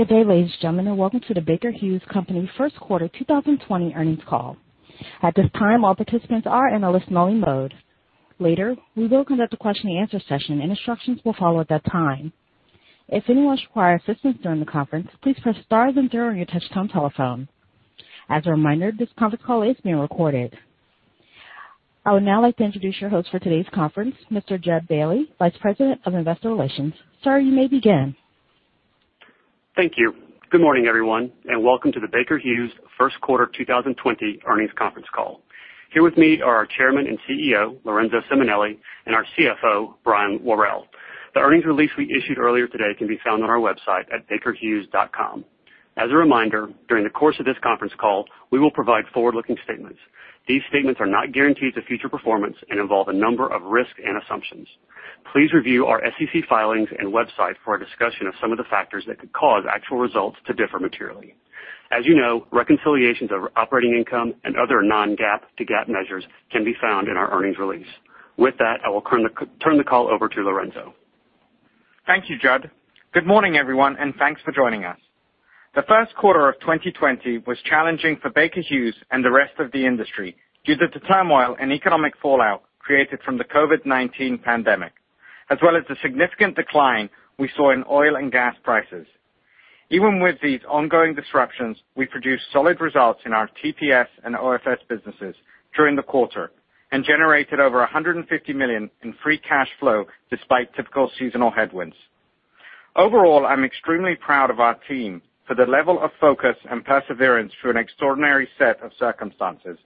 Good day, ladies and gentlemen, and welcome to the Baker Hughes First Quarter 2020 Earnings Call. At this time, all participants are in a listen-only mode. Later, we will conduct a question-and-answer session, and instructions will follow at that time. If anyone requires assistance during the conference, please press star then zero on your touchtone telephone. As a reminder, this conference call is being recorded. I would now like to introduce your host for today's conference, Mr. Jud Bailey, Vice President of Investor Relations. Sir, you may begin. Thank you. Good morning, everyone, and welcome to the Baker Hughes first quarter 2020 earnings conference call. Here with me are our Chairman and CEO, Lorenzo Simonelli, and our CFO, Brian Worrell. The earnings release we issued earlier today can be found on our website at bakerhughes.com. As a reminder, during the course of this conference call, we will provide forward-looking statements. These statements are not guarantees of future performance and involve a number of risks and assumptions. Please review our SEC filings and website for a discussion of some of the factors that could cause actual results to differ materially. As you know, reconciliations of operating income and other non-GAAP to GAAP measures can be found in our earnings release. With that, I will turn the call over to Lorenzo. Thank you, Jud. Good morning, everyone, and thanks for joining us. The first quarter of 2020 was challenging for Baker Hughes and the rest of the industry due to the turmoil and economic fallout created from the COVID-19 pandemic, as well as the significant decline we saw in oil and gas prices. Even with these ongoing disruptions, we produced solid results in our TPS and OFS businesses during the quarter and generated over $150 million in free cash flow despite typical seasonal headwinds. Overall, I'm extremely proud of our team for the level of focus and perseverance through an extraordinary set of circumstances.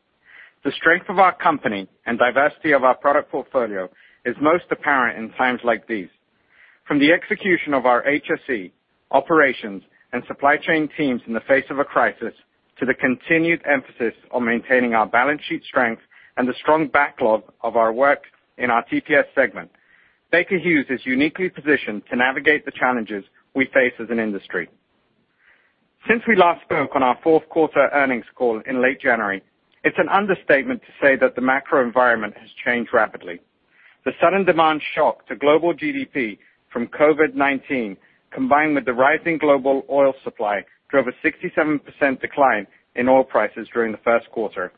The strength of our company and diversity of our product portfolio is most apparent in times like these. From the execution of our HSE, operations, and supply chain teams in the face of a crisis, to the continued emphasis on maintaining our balance sheet strength and the strong backlog of our work in our TPS segment, Baker Hughes is uniquely positioned to navigate the challenges we face as an industry. Since we last spoke on our fourth quarter earnings call in late January, it's an understatement to say that the macro environment has changed rapidly. The sudden demand shock to global GDP from COVID-19, combined with the rising global oil supply, drove a 67% decline in oil prices during the first quarter.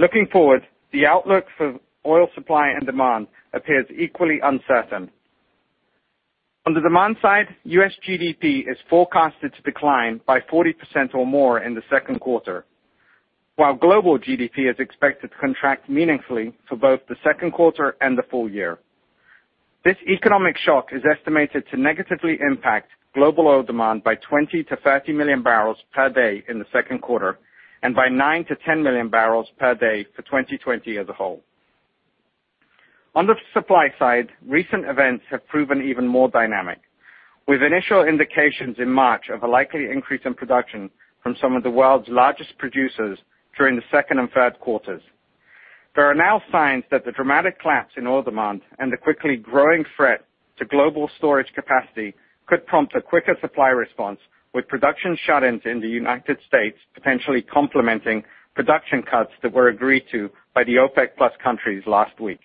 Looking forward, the outlook for oil supply and demand appears equally uncertain. On the demand side, U.S. GDP is forecasted to decline by 40% or more in the second quarter, while global GDP is expected to contract meaningfully for both the second quarter and the full year. This economic shock is estimated to negatively impact global oil demand by 20 MMbpd-30 MMbpd in the second quarter, and by 9 MMbpd-10 MMbpd for 2020 as a whole. On the supply side, recent events have proven even more dynamic, with initial indications in March of a likely increase in production from some of the world's largest producers during the second and third quarters. There are now signs that the dramatic collapse in oil demand and the quickly growing threat to global storage capacity could prompt a quicker supply response, with production shut-ins in the U.S. potentially complementing production cuts that were agreed to by the OPEC plus countries last week.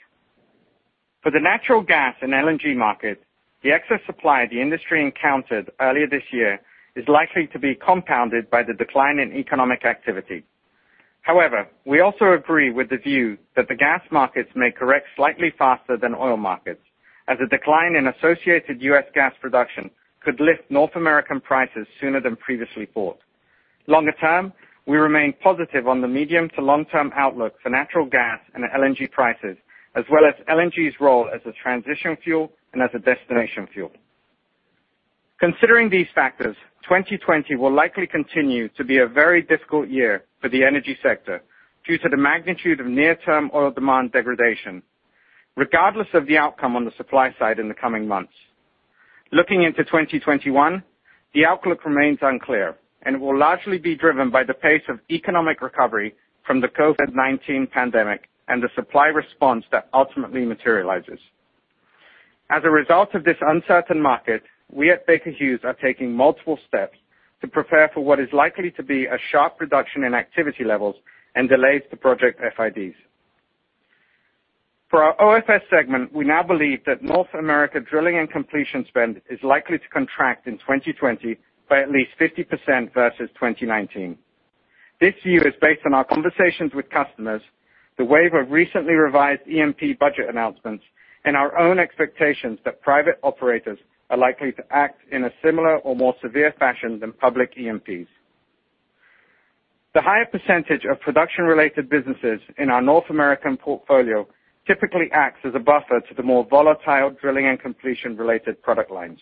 For the natural gas and LNG market, the excess supply the industry encountered earlier this year is likely to be compounded by the decline in economic activity. However, we also agree with the view that the gas markets may correct slightly faster than oil markets, as a decline in associated U.S. gas production could lift North American prices sooner than previously thought. Longer term, we remain positive on the medium to long-term outlook for natural gas and LNG prices, as well as LNG's role as a transition fuel and as a destination fuel. Considering these factors, 2020 will likely continue to be a very difficult year for the energy sector due to the magnitude of near-term oil demand degradation, regardless of the outcome on the supply side in the coming months. Looking into 2021, the outlook remains unclear and will largely be driven by the pace of economic recovery from the COVID-19 pandemic and the supply response that ultimately materializes. As a result of this uncertain market, we at Baker Hughes are taking multiple steps to prepare for what is likely to be a sharp reduction in activity levels and delays to project FIDs. For our OFS segment, we now believe that North America drilling and completion spend is likely to contract in 2020 by at least 50% versus 2019. This view is based on our conversations with customers, the wave of recently revised E&P budget announcements, and our own expectations that private operators are likely to act in a similar or more severe fashion than public E&Ps. The higher percentage of production-related businesses in our North American portfolio typically acts as a buffer to the more volatile drilling and completion-related product lines.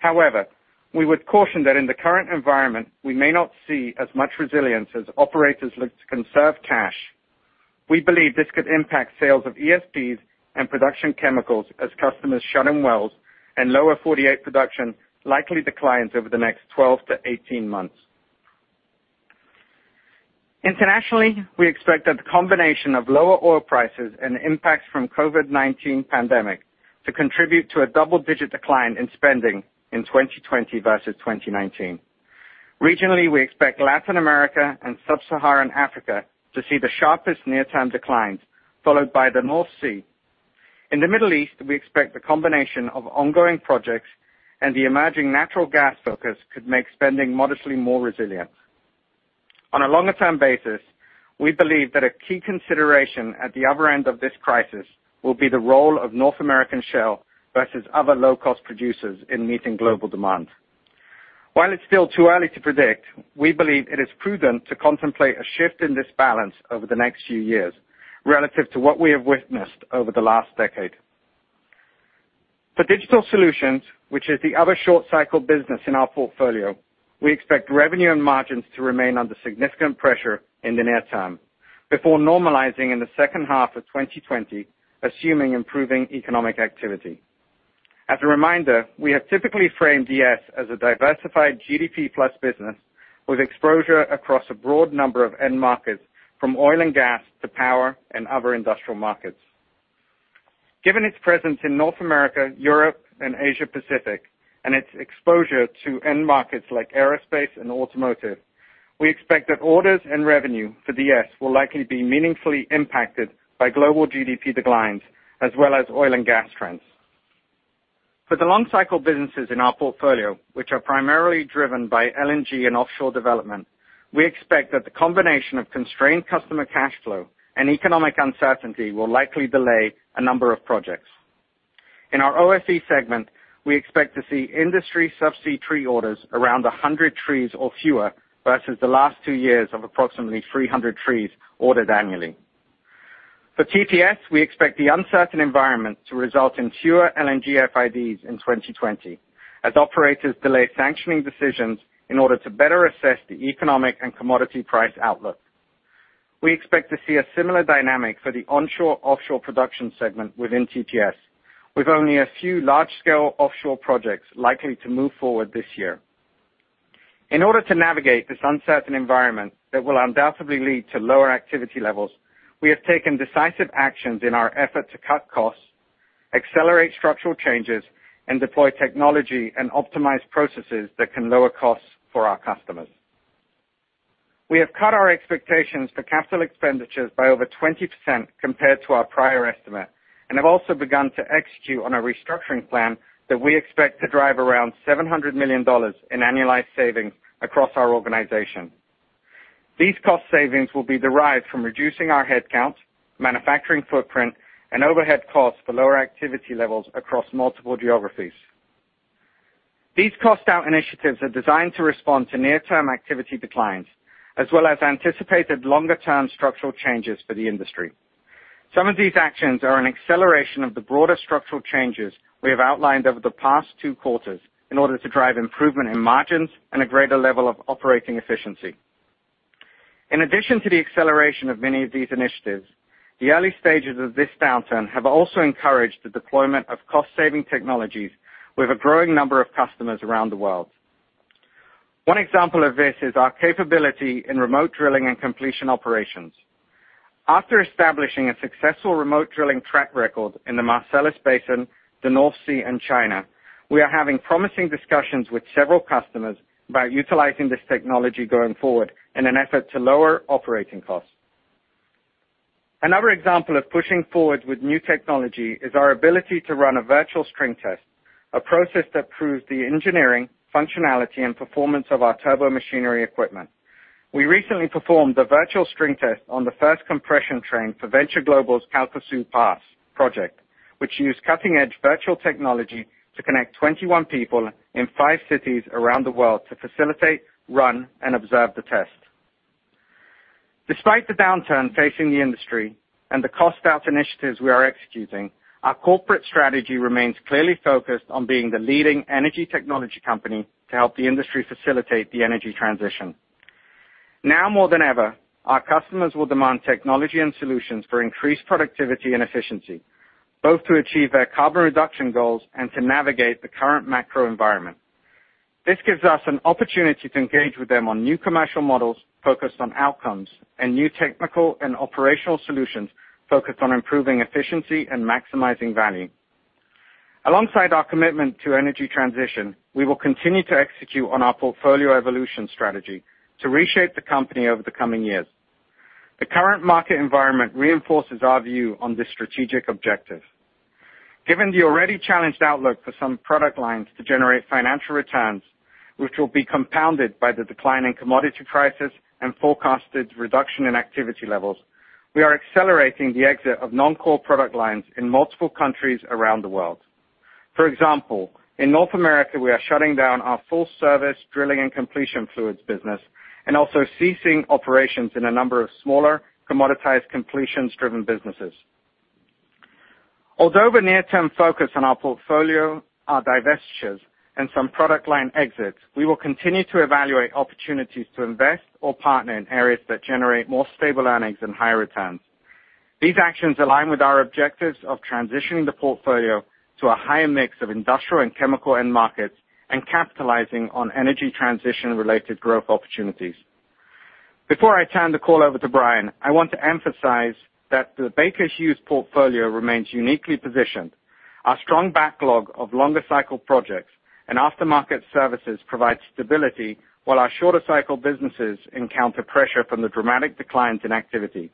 However, we would caution that in the current environment, we may not see as much resilience as operators look to conserve cash. We believe this could impact sales of ESPs and production chemicals as customers shut in wells and Lower 48 production likely declines over the next 12-18 months. Internationally, we expect that the combination of lower oil prices and the impacts from COVID-19 pandemic to contribute to a double-digit decline in spending in 2020 versus 2019. Regionally, we expect Latin America and sub-Saharan Africa to see the sharpest near-term declines, followed by the North Sea. In the Middle East, we expect the combination of ongoing projects and the emerging natural gas focus could make spending modestly more resilient. On a longer-term basis, we believe that a key consideration at the other end of this crisis will be the role of North American shale versus other low-cost producers in meeting global demand. While it's still too early to predict, we believe it is prudent to contemplate a shift in this balance over the next few years relative to what we have witnessed over the last decade. For Digital Solutions, which is the other short-cycle business in our portfolio, we expect revenue and margins to remain under significant pressure in the near term before normalizing in the second half of 2020, assuming improving economic activity. As a reminder, we have typically framed DS as a diversified GDP-plus business with exposure across a broad number of end markets, from oil and gas to power and other industrial markets. Given its presence in North America, Europe, and Asia Pacific, and its exposure to end markets like aerospace and automotive, we expect that orders and revenue for DS will likely be meaningfully impacted by global GDP declines as well as oil and gas trends. For the long-cycle businesses in our portfolio, which are primarily driven by LNG and offshore development, we expect that the combination of constrained customer cash flow and economic uncertainty will likely delay a number of projects. In our OFE segment, we expect to see industry subsea tree orders around 100 trees or fewer versus the last two years of approximately 300 trees ordered annually. For TPS, we expect the uncertain environment to result in fewer LNG FIDs in 2020 as operators delay sanctioning decisions in order to better assess the economic and commodity price outlook. We expect to see a similar dynamic for the onshore/offshore production segment within TPS, with only a few large-scale offshore projects likely to move forward this year. In order to navigate this uncertain environment that will undoubtedly lead to lower activity levels, we have taken decisive actions in our effort to cut costs, accelerate structural changes, and deploy technology and optimize processes that can lower costs for our customers. We have cut our expectations for CapEx by over 20% compared to our prior estimate, and have also begun to execute on a restructuring plan that we expect to drive around $700 million in annualized savings across our organization. These cost savings will be derived from reducing our headcount, manufacturing footprint, and overhead costs for lower activity levels across multiple geographies. These cost-out initiatives are designed to respond to near-term activity declines, as well as anticipated longer-term structural changes for the industry. Some of these actions are an acceleration of the broader structural changes we have outlined over the past two quarters in order to drive improvement in margins and a greater level of operating efficiency. In addition to the acceleration of many of these initiatives, the early stages of this downturn have also encouraged the deployment of cost-saving technologies with a growing number of customers around the world. One example of this is our capability in remote drilling and completion operations. After establishing a successful remote drilling track record in the Marcellus Basin, the North Sea, and China, we are having promising discussions with several customers about utilizing this technology going forward in an effort to lower operating costs. Another example of pushing forward with new technology is our ability to run a virtual string test, a process that proves the engineering, functionality, and performance of our turbomachinery equipment. We recently performed a virtual string test on the first compression train for Venture Global's Calcasieu Pass project, which used cutting-edge virtual technology to connect 21 people in five cities around the world to facilitate, run, and observe the test. Despite the downturn facing the industry and the cost-out initiatives we are executing, our corporate strategy remains clearly focused on being the leading energy technology company to help the industry facilitate the energy transition. Now more than ever, our customers will demand technology and solutions for increased productivity and efficiency, both to achieve their carbon reduction goals and to navigate the current macro environment. This gives us an opportunity to engage with them on new commercial models focused on outcomes and new technical and operational solutions focused on improving efficiency and maximizing value. Alongside our commitment to energy transition, we will continue to execute on our portfolio evolution strategy to reshape the company over the coming years. The current market environment reinforces our view on this strategic objective. Given the already challenged outlook for some product lines to generate financial returns, which will be compounded by the decline in commodity prices and forecasted reduction in activity levels, we are accelerating the exit of non-core product lines in multiple countries around the world. For example, in North America, we are shutting down our full-service drilling and completion fluids business and also ceasing operations in a number of smaller commoditized completions-driven businesses. Although the near-term focus on our portfolio are divestitures and some product line exits, we will continue to evaluate opportunities to invest or partner in areas that generate more stable earnings and higher returns. These actions align with our objectives of transitioning the portfolio to a higher mix of industrial and chemical end markets and capitalizing on energy transition-related growth opportunities. Before I turn the call over to Brian, I want to emphasize that the Baker Hughes portfolio remains uniquely positioned. Our strong backlog of longer cycle projects and aftermarket services provide stability, while our shorter cycle businesses encounter pressure from the dramatic declines in activity.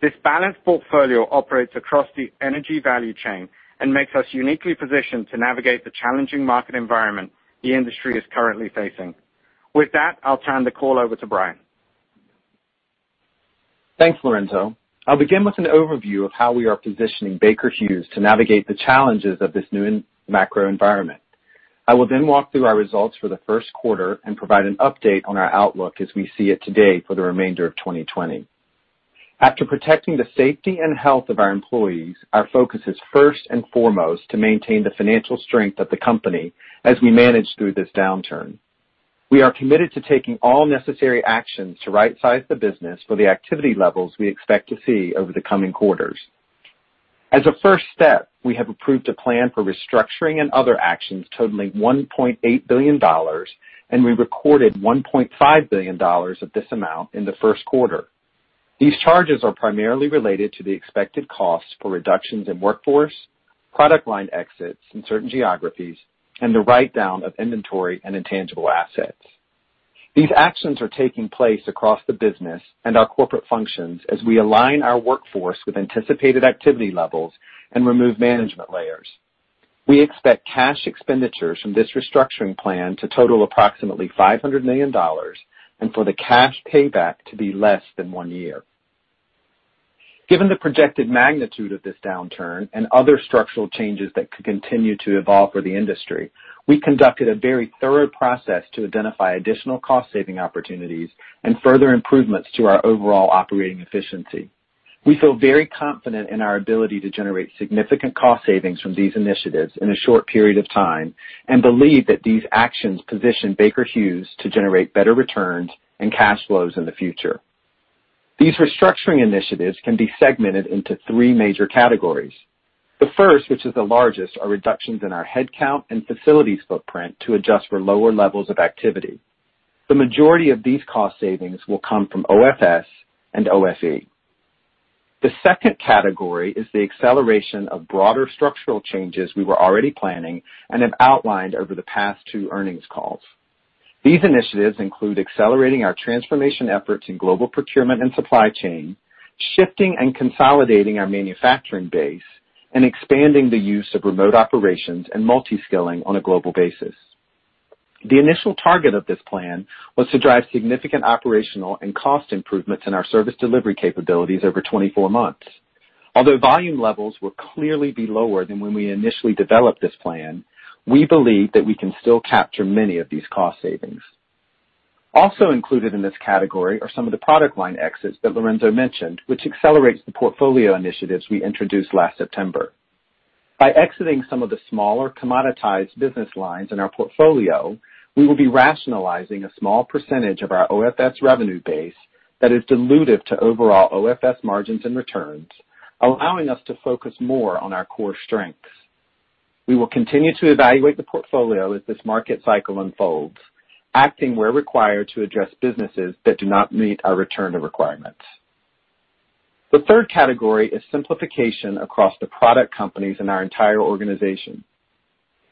This balanced portfolio operates across the energy value chain and makes us uniquely positioned to navigate the challenging market environment the industry is currently facing. With that, I'll turn the call over to Brian. Thanks, Lorenzo. I'll begin with an overview of how we are positioning Baker Hughes to navigate the challenges of this new macro environment. I will then walk through our results for the first quarter and provide an update on our outlook as we see it today for the remainder of 2020. After protecting the safety and health of our employees, our focus is first and foremost to maintain the financial strength of the company as we manage through this downturn. We are committed to taking all necessary actions to right size the business for the activity levels we expect to see over the coming quarters. As a first step, we have approved a plan for restructuring and other actions totaling $1.8 billion, and we recorded $1.5 billion of this amount in the first quarter. These charges are primarily related to the expected costs for reductions in workforce, product line exits in certain geographies, and the write down of inventory and intangible assets. These actions are taking place across the business and our corporate functions as we align our workforce with anticipated activity levels and remove management layers. We expect cash expenditures from this restructuring plan to total approximately $500 million and for the cash payback to be less than one year. Given the projected magnitude of this downturn and other structural changes that could continue to evolve for the industry, we conducted a very thorough process to identify additional cost saving opportunities and further improvements to our overall operating efficiency. We feel very confident in our ability to generate significant cost savings from these initiatives in a short period of time, and believe that these actions position Baker Hughes to generate better returns and cash flows in the future. These restructuring initiatives can be segmented into three major categories. The first, which is the largest, are reductions in our headcount and facilities footprint to adjust for lower levels of activity. The majority of these cost savings will come from OFS and OFE. The second category is the acceleration of broader structural changes we were already planning and have outlined over the past two earnings calls. These initiatives include accelerating our transformation efforts in global procurement and supply chain, shifting and consolidating our manufacturing base, and expanding the use of remote operations and multi-skilling on a global basis. The initial target of this plan was to drive significant operational and cost improvements in our service delivery capabilities over 24 months. Although volume levels will clearly be lower than when we initially developed this plan, we believe that we can still capture many of these cost savings. Also included in this category are some of the product line exits that Lorenzo mentioned, which accelerates the portfolio initiatives we introduced last September. By exiting some of the smaller commoditized business lines in our portfolio, we will be rationalizing a small percentage of our OFS revenue base that is dilutive to overall OFS margins and returns, allowing us to focus more on our core strengths. We will continue to evaluate the portfolio as this market cycle unfolds, acting where required to address businesses that do not meet our return to requirements. The third category is simplification across the product companies in our entire organization.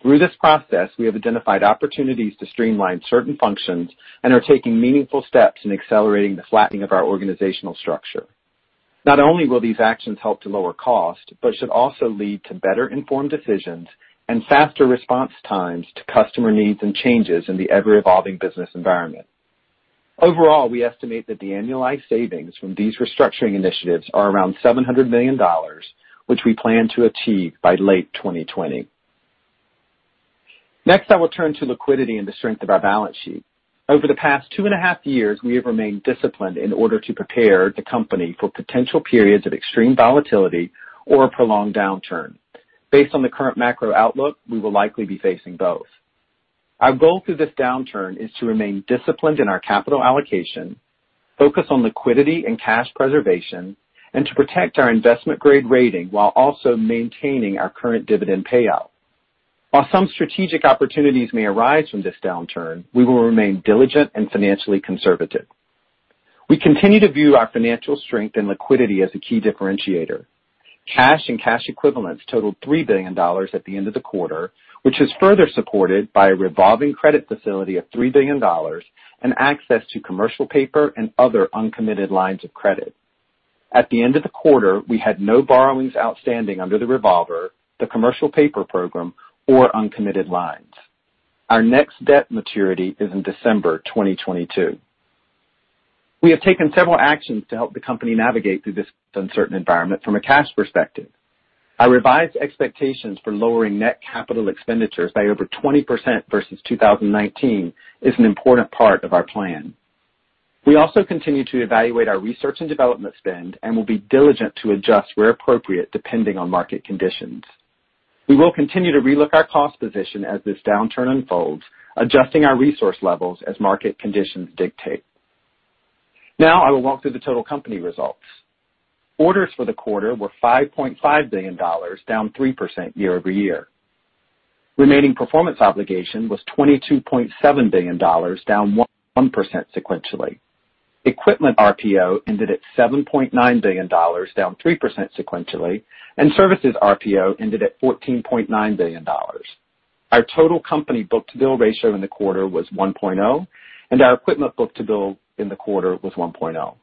Through this process, we have identified opportunities to streamline certain functions and are taking meaningful steps in accelerating the flattening of our organizational structure. Not only will these actions help to lower cost, but should also lead to better informed decisions and faster response times to customer needs and changes in the ever-evolving business environment. Overall, we estimate that the annualized savings from these restructuring initiatives are around $700 million, which we plan to achieve by late 2020. I will turn to liquidity and the strength of our balance sheet. Over the past two and a half years, we have remained disciplined in order to prepare the company for potential periods of extreme volatility or a prolonged downturn. Based on the current macro-outlook, we will likely be facing both. Our goal through this downturn is to remain disciplined in our capital allocation, focus on liquidity and cash preservation, and to protect our investment-grade rating while also maintaining our current dividend payout. While some strategic opportunities may arise from this downturn, we will remain diligent and financially conservative. We continue to view our financial strength and liquidity as a key differentiator. Cash and cash equivalents totaled $3 billion at the end of the quarter, which is further supported by a revolving credit facility of $3 billion and access to commercial paper and other uncommitted lines of credit. At the end of the quarter, we had no borrowings outstanding under the revolver, the commercial paper program, or uncommitted lines. Our next debt maturity is in December 2022. We have taken several actions to help the company navigate through this uncertain environment from a cash perspective. Our revised expectations for lowering net capital expenditures by over 20% versus 2019 is an important part of our plan. We also continue to evaluate our research and development spend and will be diligent to adjust where appropriate, depending on market conditions. We will continue to relook our cost position as this downturn unfolds, adjusting our resource levels as market conditions dictate. Now I will walk through the total company results. Orders for the quarter were $5.5 billion, down 3% year-over-year. Remaining performance obligation was $22.7 billion, down 1% sequentially. Equipment RPO ended at $7.9 billion, down 3% sequentially, and services RPO ended at $14.9 billion. Our total company book-to-bill ratio in the quarter was 1.0, and our equipment book-to-bill in the quarter was 1.0.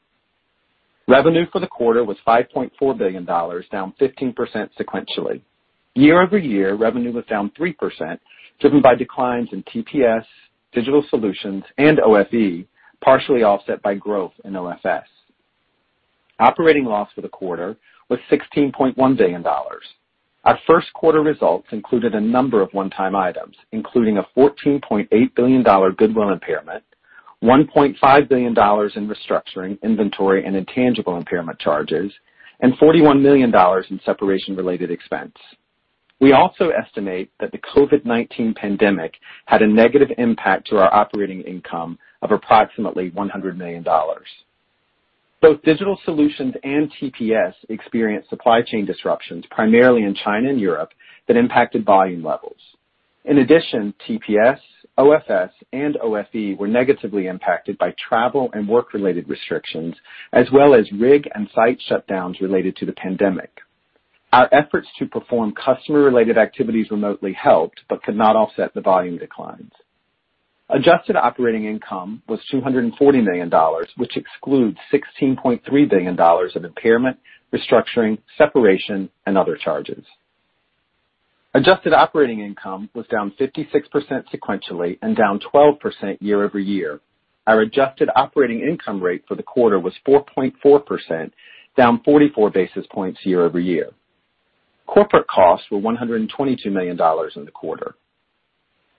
Revenue for the quarter was $5.4 billion, down 15% sequentially. Year-over-year, revenue was down 3%, driven by declines in TPS, Digital Solutions, and OFE, partially offset by growth in OFS. Operating loss for the quarter was $16.1 billion. Our first quarter results included a number of one-time items, including a $14.8 billion goodwill impairment, $1.5 billion in restructuring inventory and intangible impairment charges, and $41 million in separation-related expense. We also estimate that the COVID-19 pandemic had a negative impact to our operating income of approximately $100 million. Both Digital Solutions and TPS experienced supply chain disruptions, primarily in China and Europe, that impacted volume levels. In addition, TPS, OFS, and OFE were negatively impacted by travel and work-related restrictions, as well as rig and site shutdowns related to the pandemic. Our efforts to perform customer-related activities remotely helped but could not offset the volume declines. Adjusted operating income was $240 million, which excludes $16.3 billion of impairment, restructuring, separation, and other charges. Adjusted operating income was down 56% sequentially and down 12% year-over-year. Our adjusted operating income rate for the quarter was 4.4%, down 44 basis points year-over-year. Corporate costs were $122 million in the quarter.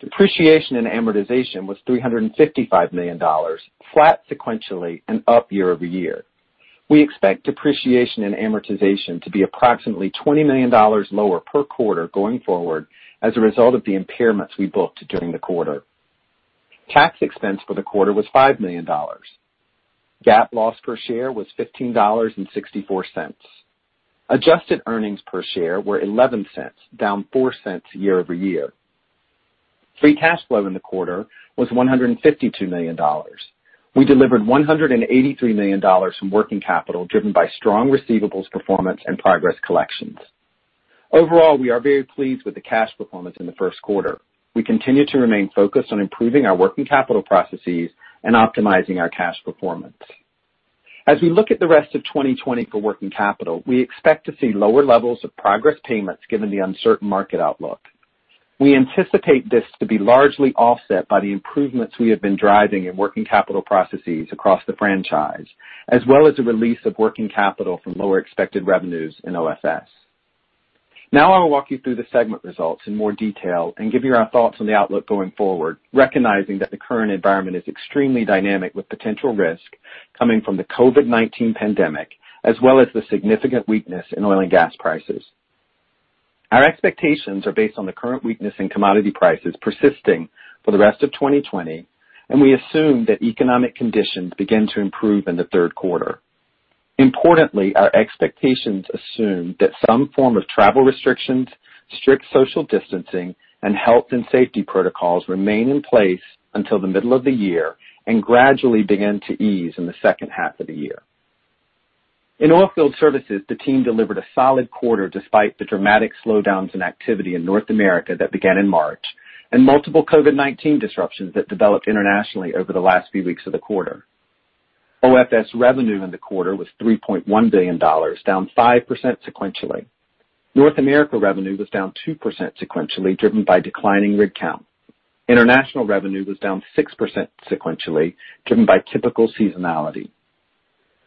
Depreciation and amortization was $355 million, flat sequentially and up year-over-year. We expect depreciation and amortization to be approximately $20 million lower per quarter going forward as a result of the impairments we booked during the quarter. Tax expense for the quarter was $5 million. GAAP loss per share was $15.64. Adjusted earnings per share were $0.11, down $0.04 year-over-year. Free cash flow in the quarter was $152 million. We delivered $183 million from working capital, driven by strong receivables performance and progress collections. Overall, we are very pleased with the cash performance in the first quarter. We continue to remain focused on improving our working capital processes and optimizing our cash performance. As we look at the rest of 2020 for working capital, we expect to see lower levels of progress payments given the uncertain market outlook. We anticipate this to be largely offset by the improvements we have been driving in working capital processes across the franchise, as well as the release of working capital from lower expected revenues in OFS. Now I will walk you through the segment results in more detail and give you our thoughts on the outlook going forward, recognizing that the current environment is extremely dynamic with potential risk coming from the COVID-19 pandemic, as well as the significant weakness in oil and gas prices. Our expectations are based on the current weakness in commodity prices persisting for the rest of 2020, and we assume that economic conditions begin to improve in the third quarter. Importantly, our expectations assume that some form of travel restrictions, strict social distancing, and health and safety protocols remain in place until the middle of the year and gradually begin to ease in the second half of the year. In oilfield services, the team delivered a solid quarter despite the dramatic slowdowns in activity in North America that began in March and multiple COVID-19 disruptions that developed internationally over the last few weeks of the quarter. OFS revenue in the quarter was $3.1 billion, down 5% sequentially. North America revenue was down 2% sequentially, driven by declining rig count. International revenue was down 6% sequentially, driven by typical seasonality.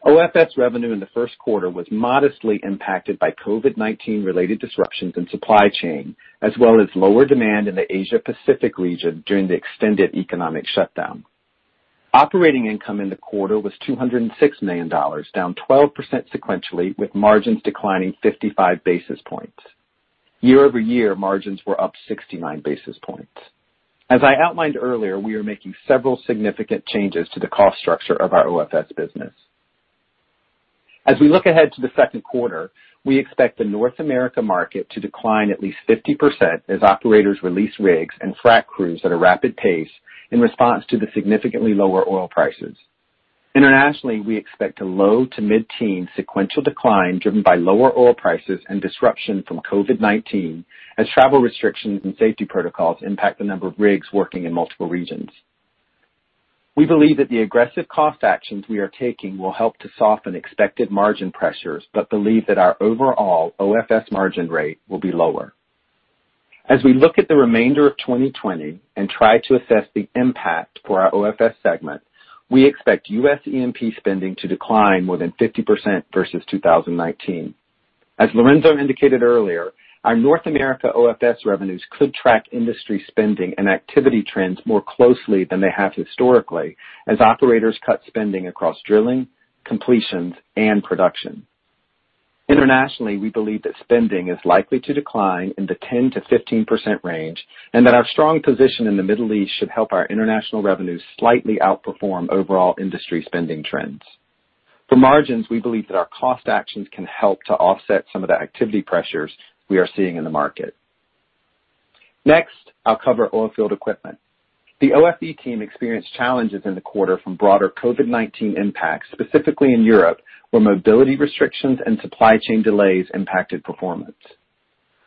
OFS revenue in the first quarter was modestly impacted by COVID-19-related disruptions in supply chain, as well as lower demand in the Asia Pacific region during the extended economic shutdown. Operating income in the quarter was $206 million, down 12% sequentially, with margins declining 55 basis points. Year-over-year, margins were up 69 basis points. As I outlined earlier, we are making several significant changes to the cost structure of our OFS business. As we look ahead to the second quarter, we expect the North America market to decline at least 50% as operators release rigs and frac crews at a rapid pace in response to the significantly lower oil prices. Internationally, we expect a low to mid-teen sequential decline driven by lower oil prices and disruption from COVID-19 as travel restrictions and safety protocols impact the number of rigs working in multiple regions. We believe that the aggressive cost actions we are taking will help to soften expected margin pressures, but believe that our overall OFS margin rate will be lower. As we look at the remainder of 2020 and try to assess the impact for our OFS segment, we expect U.S. E&P spending to decline more than 50% versus 2019. As Lorenzo indicated earlier, our North America OFS revenues could track industry spending and activity trends more closely than they have historically as operators cut spending across drilling, completions, and production. Internationally, we believe that spending is likely to decline in the 10%-15% range and that our strong position in the Middle East should help our international revenues slightly outperform overall industry spending trends. For margins, we believe that our cost actions can help to offset some of the activity pressures we are seeing in the market. Next, I'll cover Oilfield Equipment. The OFE team experienced challenges in the quarter from broader COVID-19 impacts, specifically in Europe, where mobility restrictions and supply chain delays impacted performance.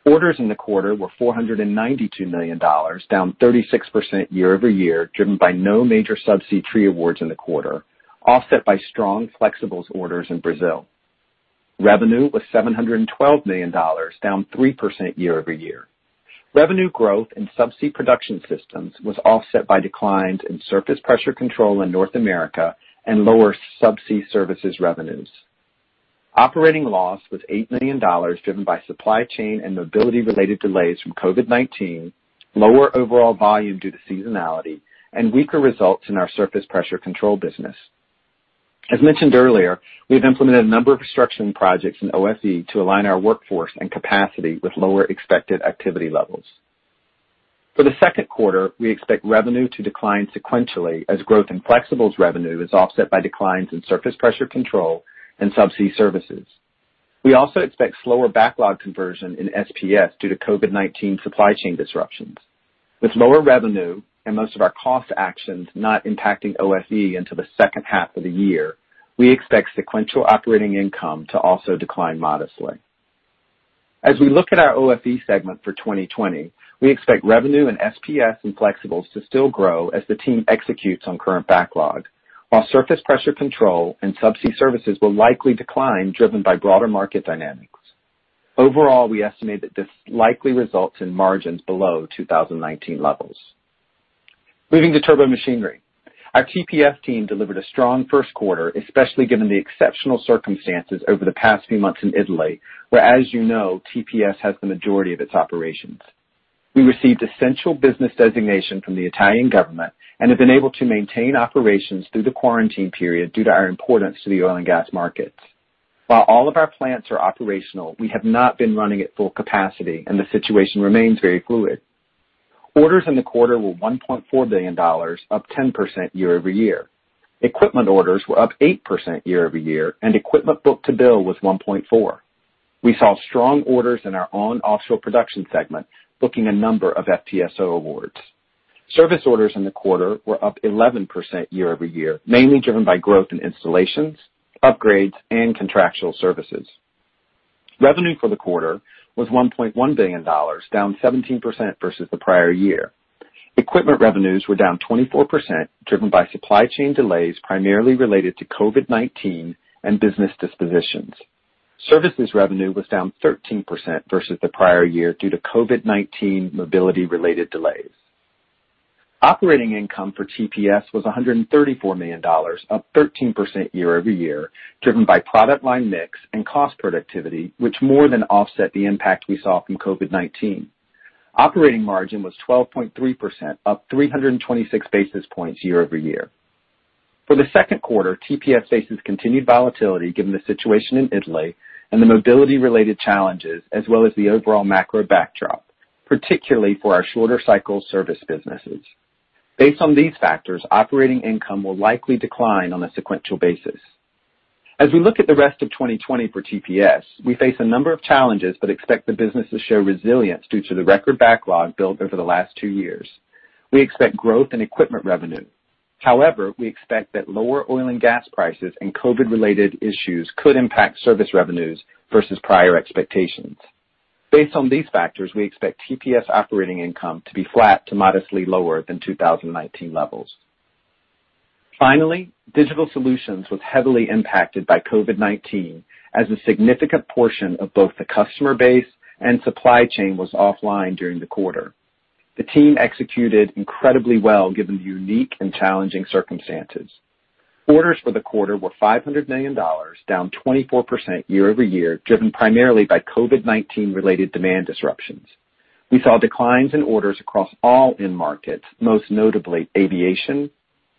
Orders in the quarter were $492 million, down 36% year-over-year, driven by no major subsea tree awards in the quarter, offset by strong flexibles orders in Brazil. Revenue was $712 million, down 3% year-over-year. Revenue growth in subsea production systems was offset by declines in surface pressure control in North America and lower subsea services revenues. Operating loss was $8 million, driven by supply chain and mobility-related delays from COVID-19, lower overall volume due to seasonality, and weaker results in our surface pressure control business. As mentioned earlier, we have implemented a number of restructuring projects in OFE to align our workforce and capacity with lower expected activity levels. For the second quarter, we expect revenue to decline sequentially as growth in flexibles revenue is offset by declines in surface pressure control and subsea services. We also expect slower backlog conversion in SPS due to COVID-19 supply chain disruptions. With lower revenue and most of our cost actions not impacting OFE until the second half of the year, we expect sequential operating income to also decline modestly. As we look at our OFE segment for 2020, we expect revenue in SPS and flexibles to still grow as the team executes on current backlog, while surface pressure control and subsea services will likely decline, driven by broader market dynamics. Overall, we estimate that this likely results in margins below 2019 levels. Moving to Turbomachinery. Our TPS team delivered a strong first quarter, especially given the exceptional circumstances over the past few months in Italy, where, as you know, TPS has the majority of its operations. We received essential business designation from the Italian government and have been able to maintain operations through the quarantine period due to our importance to the oil and gas markets. While all of our plants are operational, we have not been running at full capacity, and the situation remains very fluid. Orders in the quarter were $1.4 billion, up 10% year-over-year. Equipment orders were up 8% year-over-year, and equipment book-to-bill was 1.4. We saw strong orders in our own offshore production segment, booking a number of FPSO awards. Service orders in the quarter were up 11% year-over-year, mainly driven by growth in installations, upgrades, and contractual services. Revenue for the quarter was $1.1 billion, down 17% versus the prior year. Equipment revenues were down 24%, driven by supply chain delays primarily related to COVID-19 and business dispositions. Services revenue was down 13% versus the prior year due to COVID-19 mobility-related delays. Operating income for TPS was $134 million, up 13% year-over-year, driven by product line mix and cost productivity, which more than offset the impact we saw from COVID-19. Operating margin was 12.3%, up 326 basis points year-over-year. For the second quarter, TPS faces continued volatility given the situation in Italy and the mobility-related challenges, as well as the overall macro backdrop, particularly for our shorter cycle service businesses. Based on these factors, operating income will likely decline on a sequential basis. As we look at the rest of 2020 for TPS, we face a number of challenges, but expect the business to show resilience due to the record backlog built over the last two years. We expect growth in equipment revenue. We expect that lower oil and gas prices and COVID-19 related issues could impact service revenues versus prior expectations. Based on these factors, we expect TPS operating income to be flat to modestly lower than 2019 levels. Digital Solutions was heavily impacted by COVID-19, as a significant portion of both the customer base and supply chain was offline during the quarter. The team executed incredibly well given the unique and challenging circumstances. Orders for the quarter were $500 million, down 24% year-over-year, driven primarily by COVID-19 related demand disruptions. We saw declines in orders across all end markets, most notably aviation,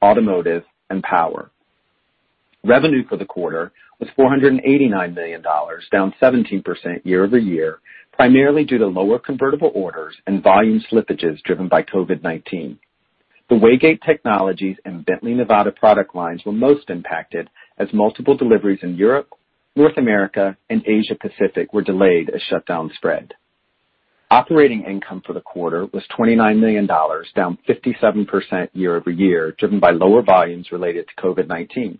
automotive, and power. Revenue for the quarter was $489 million, down 17% year-over-year, primarily due to lower convertible orders and volume slippages driven by COVID-19. The Waygate Technologies and Bently Nevada product lines were most impacted as multiple deliveries in Europe, North America, and Asia Pacific were delayed as shutdown spread. Operating income for the quarter was $29 million, down 57% year-over-year, driven by lower volumes related to COVID-19.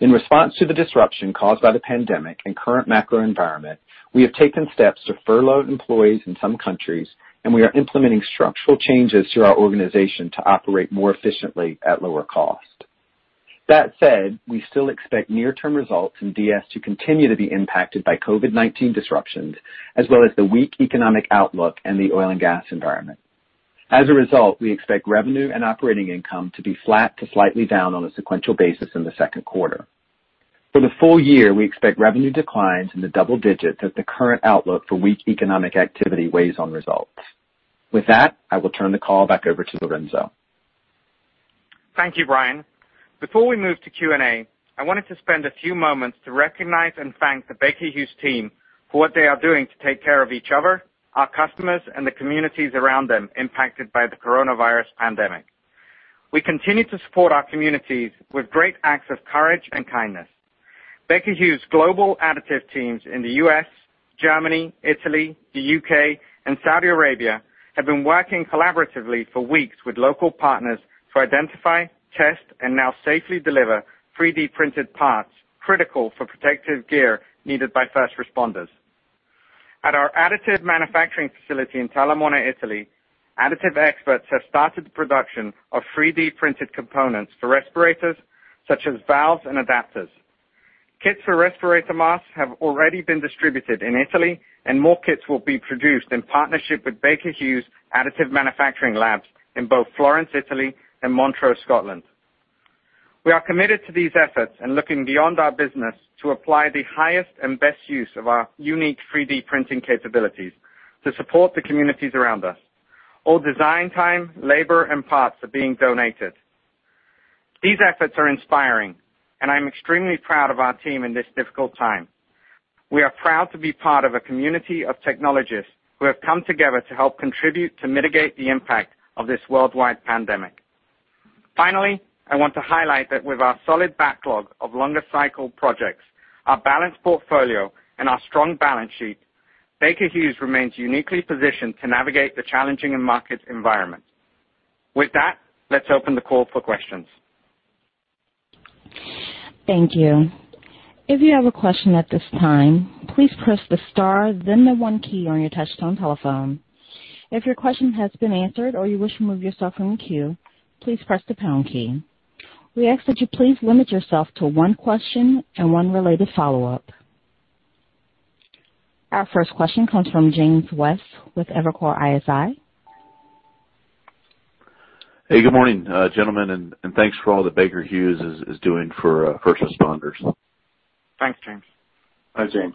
In response to the disruption caused by the pandemic and current macro environment, we have taken steps to furlough employees in some countries, and we are implementing structural changes to our organization to operate more efficiently at lower cost. That said, we still expect near-term results in DS to continue to be impacted by COVID-19 disruptions as well as the weak economic outlook and the oil and gas environment. As a result, we expect revenue and operating income to be flat to slightly down on a sequential basis in the second quarter. For the full year, we expect revenue declines in the double digits as the current outlook for weak economic activity weighs on results. With that, I will turn the call back over to Lorenzo. Thank you, Brian. Before we move to Q&A, I wanted to spend a few moments to recognize and thank the Baker Hughes team for what they are doing to take care of each other, our customers, and the communities around them impacted by the coronavirus pandemic. We continue to support our communities with great acts of courage and kindness. Baker Hughes global additive teams in the U.S., Germany, Italy, the U.K., and Saudi Arabia have been working collaboratively for weeks with local partners to identify, test, and now safely deliver 3D-printed parts critical for protective gear needed by first responders. At our additive manufacturing facility in Talamona, Italy, additive experts have started the production of 3D-printed components for respirators, such as valves and adapters. Kits for respirator masks have already been distributed in Italy, and more kits will be produced in partnership with Baker Hughes additive manufacturing labs in both Florence, Italy and Montrose, Scotland. We are committed to these efforts and looking beyond our business to apply the highest and best use of our unique 3D printing capabilities to support the communities around us. All design time, labor, and parts are being donated. These efforts are inspiring, and I'm extremely proud of our team in this difficult time. We are proud to be part of a community of technologists who have come together to help contribute to mitigate the impact of this worldwide pandemic. Finally, I want to highlight that with our solid backlog of longer cycle projects, our balanced portfolio and our strong balance sheet, Baker Hughes remains uniquely positioned to navigate the challenging market environment. With that, let's open the call for questions. Thank you. If you have a question at this time, please press the star then the one key on your touch-tone telephone. If your question has been answered or you wish to remove yourself from the queue, please press the pound key. We ask that you please limit yourself to one question and one related follow-up. Our first question comes from James West with Evercore ISI. Hey, good morning, gentlemen, and thanks for all that Baker Hughes is doing for first responders. Thanks, James. Hi, James.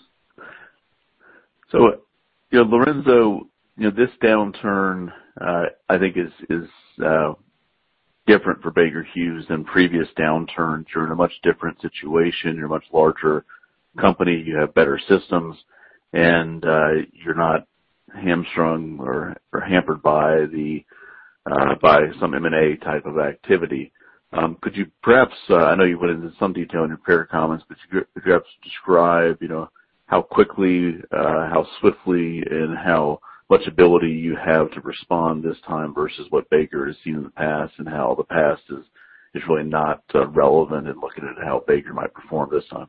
Lorenzo, this downturn I think is different for Baker Hughes than previous downturns. You're in a much different situation. You're a much larger company, you have better systems, and you're not hamstrung or hampered by some M&A type of activity. I know you went into some detail in your prepared comments, could you perhaps describe how quickly, how swiftly, and how much ability you have to respond this time versus what Baker has seen in the past, and how the past is really not relevant in looking at how Baker might perform this time?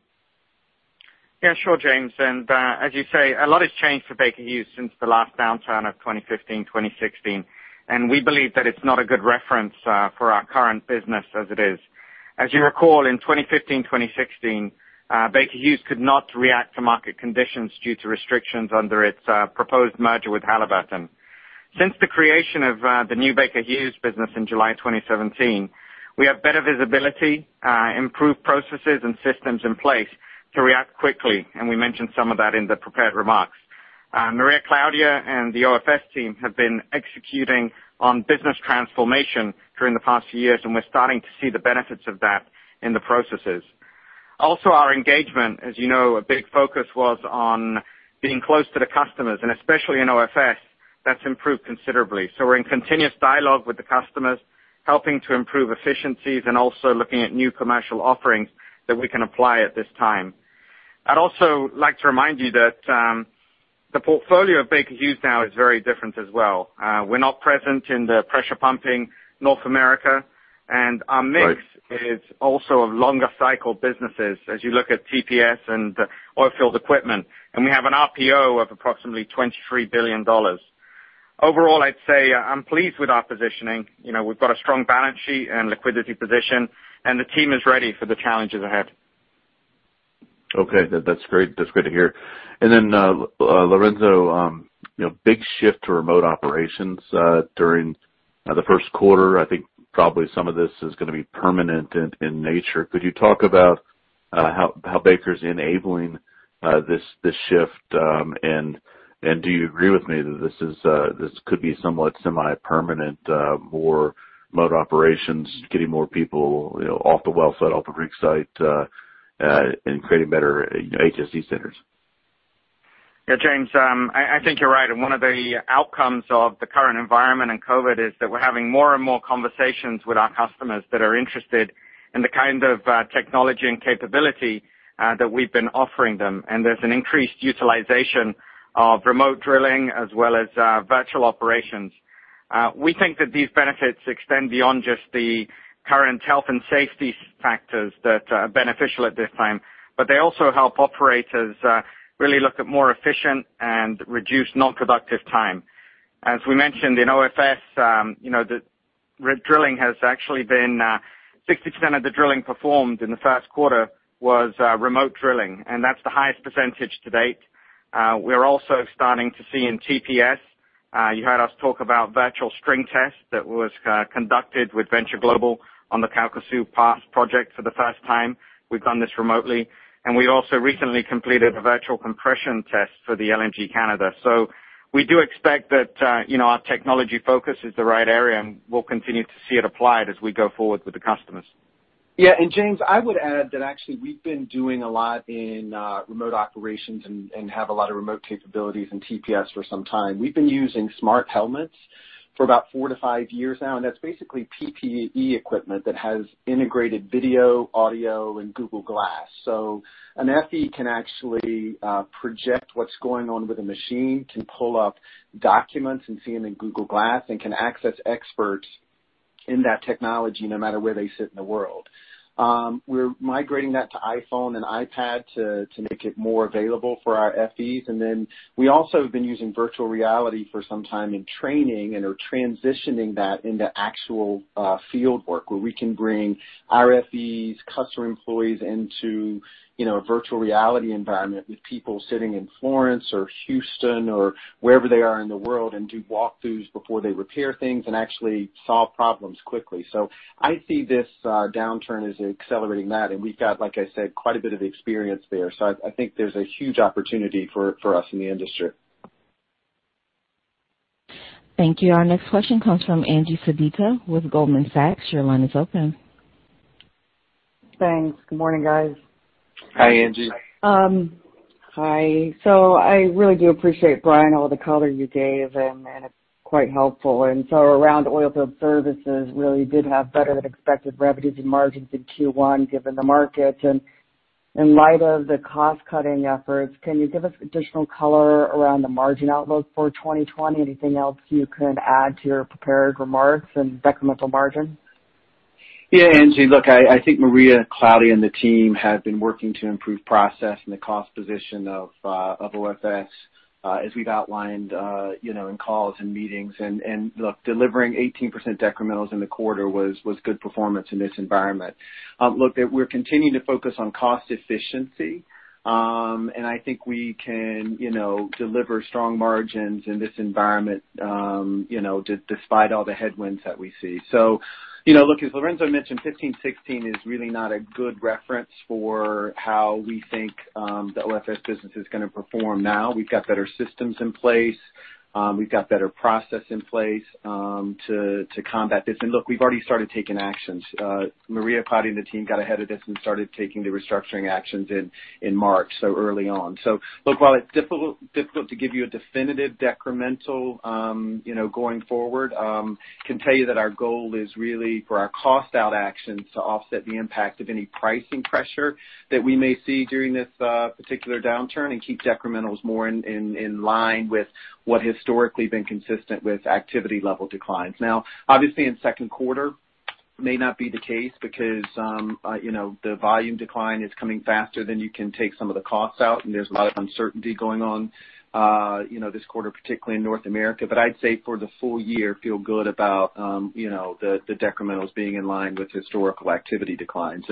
Sure James, and as you say, a lot has changed for Baker Hughes since the last downturn of 2015, 2016, and we believe that it's not a good reference for our current business as it is. As you recall, in 2015, 2016, Baker Hughes could not react to market conditions due to restrictions under its proposed merger with Halliburton. Since the creation of the new Baker Hughes business in July 2017, we have better visibility, improved processes and systems in place to react quickly, and we mentioned some of that in the prepared remarks. Maria Claudia and the OFS team have been executing on business transformation during the past few years, and we're starting to see the benefits of that in the processes. Also our engagement. As you know, a big focus was on being close to the customers, and especially in OFS, that's improved considerably. We're in continuous dialogue with the customers, helping to improve efficiencies and also looking at new commercial offerings that we can apply at this time. I'd also like to remind you that the portfolio of Baker Hughes now is very different as well. We're not present in the pressure pumping North America, and our mix is also of longer cycle businesses as you look at TPS and Oilfield Equipment, and we have an RPO of approximately $23 billion. Overall, I'd say I'm pleased with our positioning. We've got a strong balance sheet and liquidity position, and the team is ready for the challenges ahead. Okay. That's great to hear. Lorenzo, big shift to remote operations during the first quarter. I think probably some of this is going to be permanent in nature. Could you talk about how Baker's enabling this shift? Do you agree with me that this could be somewhat semi-permanent more remote operations, getting more people off the well site, off the rig site, and creating better HSE centers? Yeah, James, I think you're right. One of the outcomes of the current environment and COVID is that we're having more and more conversations with our customers that are interested in the kind of technology and capability that we've been offering them. There's an increased utilization of remote drilling as well as virtual operations. We think that these benefits extend beyond just the current health and safety factors that are beneficial at this time, but they also help operators really look at more efficient and reduced non-productive time. As we mentioned in OFS, you know the drilling performed in the first quarter was remote drilling, and that's the highest percentage to date. We're also starting to see in TPS, you heard us talk about virtual string test that was conducted with Venture Global on the Calcasieu Pass project for the first time. We've done this remotely, and we also recently completed a virtual compression test for the LNG Canada. We do expect that our technology focus is the right area, and we'll continue to see it applied as we go forward with the customers. Yeah. James, I would add that actually we've been doing a lot in remote operations and have a lot of remote capabilities in TPS for some time. We've been using smart helmets for about four to five years now. That's basically PPE equipment that has integrated video, audio, and Google Glass. An FE can actually project what's going on with a machine, can pull up documents and see them in Google Glass, and can access experts in that technology no matter where they sit in the world. We're migrating that to iPhone and iPad to make it more available for our FEs. We also have been using virtual reality for some time in training and are transitioning that into actual field work, where we can bring our FEs, customer employees into a virtual reality environment with people sitting in Florence or Houston or wherever they are in the world, and do walkthroughs before they repair things and actually solve problems quickly. I see this downturn as accelerating that. We've got, like I said, quite a bit of experience there. I think there's a huge opportunity for us in the industry. Thank you. Our next question comes from Angie Sedita with Goldman Sachs. Your line is open. Thanks. Good morning, guys. Hi, Angie. Hi. I really do appreciate, Brian, all the color you gave, and it's quite helpful. Around oil field services really did have better than expected revenues and margins in Q1 given the markets. In light of the cost-cutting efforts, can you give us additional color around the margin outlook for 2020? Anything else you can add to your prepared remarks and decremental margin? Angie. Look, I think Maria Claudia and the team have been working to improve process and the cost position of OFS, as we've outlined in calls and meetings. Look, delivering 18% decrementals in the quarter was good performance in this environment. Look, we're continuing to focus on cost efficiency. I think we can deliver strong margins in this environment despite all the headwinds that we see. Look, as Lorenzo mentioned, 2015, 2016 is really not a good reference for how we think the OFS business is going to perform now. We've got better systems in place. We've got better process in place to combat this. Look, we've already started taking actions. Maria Claudia and the team got ahead of this and started taking the restructuring actions in March, so early on. Look, while it's difficult to give you a definitive decremental going forward, can tell you that our goal is really for our cost-out actions to offset the impact of any pricing pressure that we may see during this particular downturn and keep decrementals more in line with what historically been consistent with activity level declines. Obviously in second quarter may not be the case because the volume decline is coming faster than you can take some of the costs out, and there's a lot of uncertainty going on this quarter, particularly in North America. I'd say for the full year, feel good about the decrementals being in line with historical activity declines.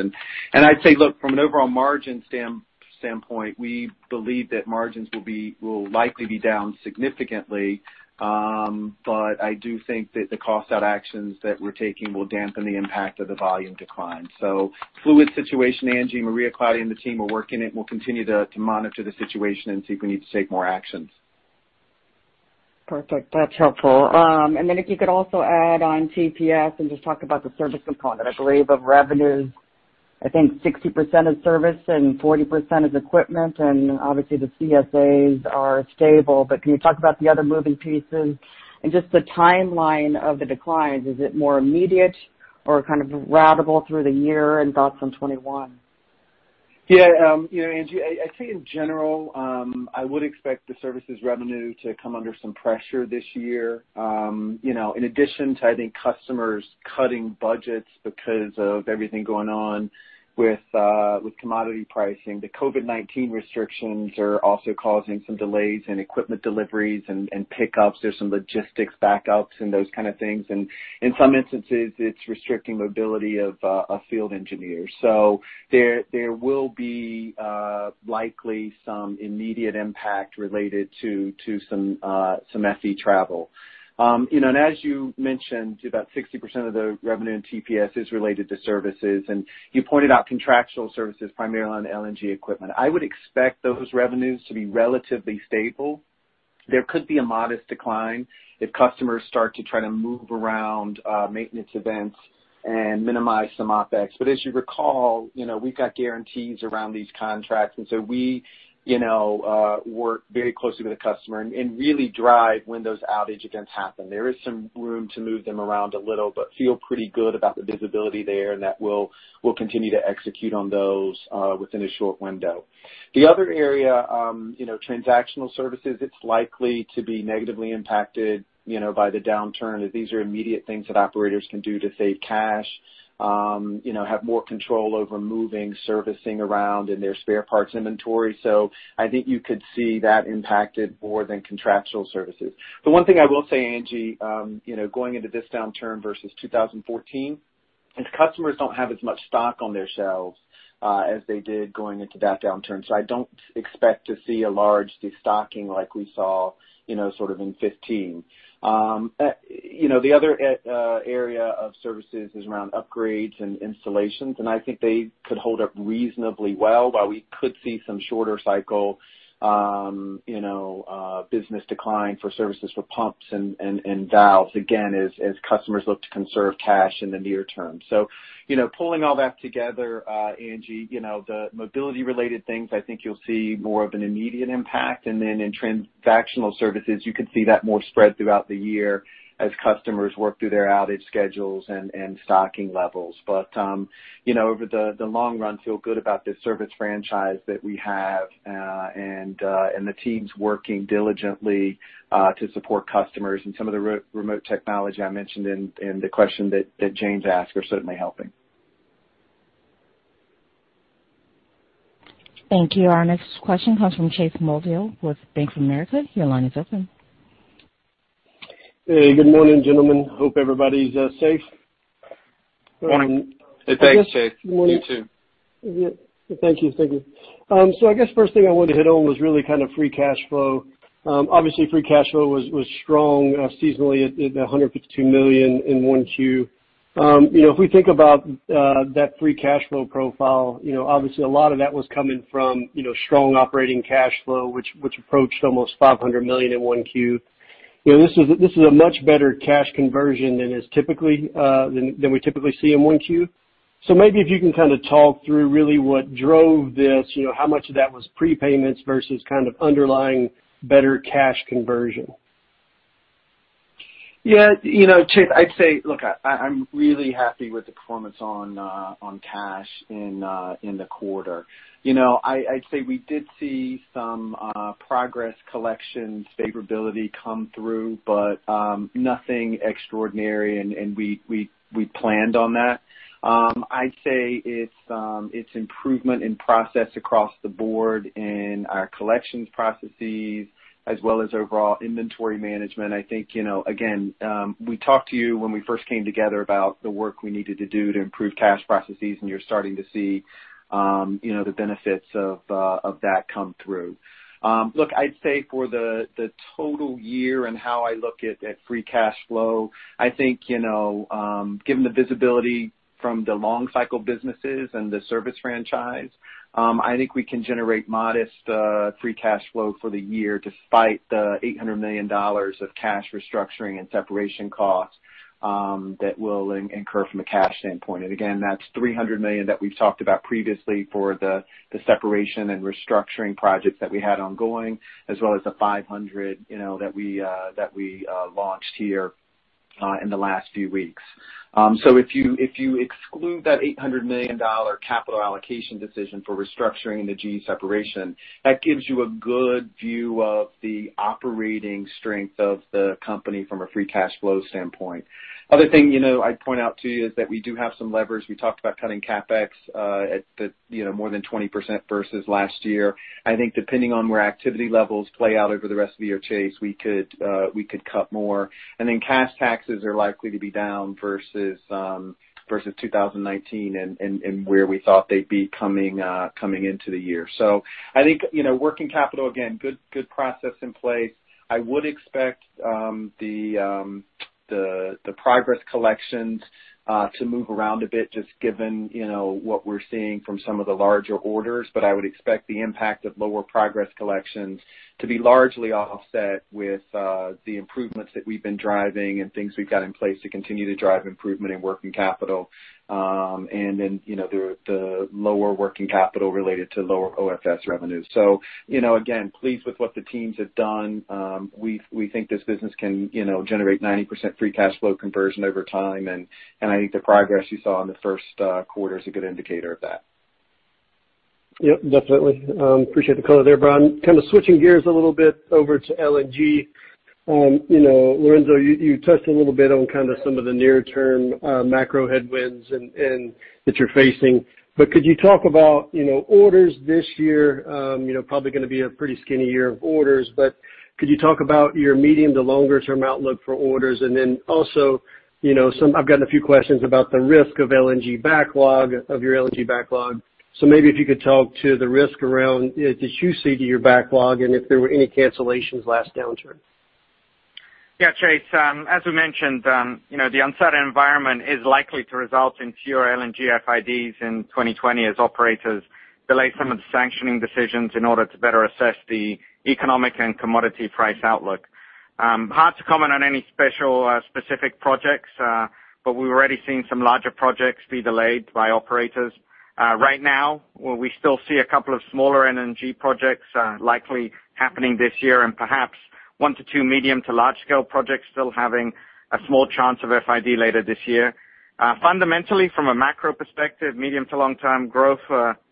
I'd say, look, from an overall margin standpoint, we believe that margins will likely be down significantly. I do think that the cost-out actions that we're taking will dampen the impact of the volume decline. Fluid situation, Angie. Maria Claudia and the team are working it, and we'll continue to monitor the situation and see if we need to take more actions. Perfect. That's helpful. Then if you could also add on TPS and just talk about the service component, I believe of revenues, I think 60% is service and 40% is equipment, and obviously the CSAs are stable. Can you talk about the other moving pieces and just the timeline of the declines? Is it more immediate or kind of ratable through the year and thoughts on 2021? Yeah. Angie, I would say in general, I would expect the services revenue to come under some pressure this year. In addition to, I think, customers cutting budgets because of everything going on with commodity pricing, the COVID-19 restrictions are also causing some delays in equipment deliveries and pickups. There is some logistics backups and those kind of things. In some instances, it is restricting mobility of field engineers. There will be likely some immediate impact related to some FE travel. As you mentioned, about 60% of the revenue in TPS is related to services, and you pointed out contractual services primarily on LNG equipment. I would expect those revenues to be relatively stable. There could be a modest decline if customers start to try to move around maintenance events and minimize some OpEx. As you recall, we've got guarantees around these contracts, we work very closely with the customer and really drive when those outage events happen. There is some room to move them around a little, feel pretty good about the visibility there, we'll continue to execute on those within a short window. The other area, transactional services, it's likely to be negatively impacted by the downturn, as these are immediate things that operators can do to save cash, have more control over moving servicing around in their spare parts inventory. I think you could see that impacted more than contractual services. The one thing I will say, Angie, going into this downturn versus 2014. Customers don't have as much stock on their shelves as they did going into that downturn. I don't expect to see a large destocking like we saw in 2015. The other area of services is around upgrades and installations, and I think they could hold up reasonably well, but we could see some shorter cycle business decline for services for pumps and valves, again, as customers look to conserve cash in the near term. Pulling all that together, Angie, the mobility-related things, I think you'll see more of an immediate impact. Then in transactional services, you could see that more spread throughout the year as customers work through their outage schedules and stocking levels. Over the long run, feel good about this service franchise that we have, and the team's working diligently to support customers. Some of the remote technology I mentioned in the question that James asked are certainly helping. Thank you. Our next question comes from Chase Mulvehill with Bank of America. Your line is open. Hey, good morning, gentlemen. Hope everybody's safe. Morning. Hey, thanks, Chase. You too. Thank you. I guess first thing I wanted to hit on was really free cash flow. Obviously, free cash flow was strong seasonally at $152 million in 1Q. If we think about that free cash flow profile, obviously a lot of that was coming from strong operating cash flow, which approached almost $500 million in 1Q. This is a much better cash conversion than we typically see in 1Q. Maybe if you can kind of talk through really what drove this, how much of that was prepayments versus kind of underlying better cash conversion? Yeah, Chase, I'd say, look, I'm really happy with the performance on cash in the quarter. I'd say we did see some progress collections favorability come through, but nothing extraordinary, and we planned on that. I'd say it's improvement in process across the board in our collections processes as well as overall inventory management. I think, again, we talked to you when we first came together about the work we needed to do to improve cash processes, and you're starting to see the benefits of that come through. Look, I'd say for the total year and how I look at free cash flow, I think, given the visibility from the long cycle businesses and the service franchise, I think we can generate modest free cash flow for the year despite the $800 million of cash restructuring and separation costs that we'll incur from a cash standpoint. Again, that's $300 million that we've talked about previously for the separation and restructuring projects that we had ongoing, as well as the $500 million that we launched here in the last few weeks. If you exclude that $800 million capital allocation decision for restructuring the GE separation, that gives you a good view of the operating strength of the company from a free cash flow standpoint. Other thing I'd point out to you is that we do have some levers. We talked about cutting CapEx at more than 20% versus last year. I think depending on where activity levels play out over the rest of the year, Chase, we could cut more. Then cash taxes are likely to be down versus 2019 and where we thought they'd be coming into the year. I think working capital, again, good process in place. I would expect the progress collections to move around a bit, just given what we're seeing from some of the larger orders. I would expect the impact of lower progress collections to be largely offset with the improvements that we've been driving and things we've got in place to continue to drive improvement in working capital. The lower working capital related to lower OFS revenues. Again, pleased with what the teams have done. We think this business can generate 90% free cash flow conversion over time, and I think the progress you saw in the first quarter is a good indicator of that. Yep, definitely. Appreciate the color there, Brian. Kind of switching gears a little bit over to LNG. Lorenzo, you touched a little bit on kind of some of the near-term macro headwinds that you're facing, but could you talk about orders this year? Probably going to be a pretty skinny year of orders, but could you talk about your medium to longer term outlook for orders? I've gotten a few questions about the risk of your LNG backlog. If you could talk to the risk around the issue to your backlog and if there were any cancellations last downturn. Yeah. Chase, as we mentioned, the uncertain environment is likely to result in fewer LNG FIDs in 2020 as operators delay some of the sanctioning decisions in order to better assess the economic and commodity price outlook. Hard to comment on any special specific projects, but we're already seeing some larger projects be delayed by operators. Right now, we still see a couple of smaller LNG projects likely happening this year, and perhaps one to two medium to large scale projects still having a small chance of FID later this year. Fundamentally, from a macro perspective, medium to long-term growth